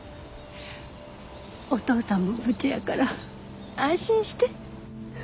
お父さんも無事やから安心して。